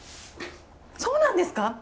そうなんですか！？